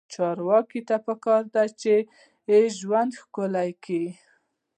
چارواکو ته پکار ده چې، ژوند ښکلی کړي.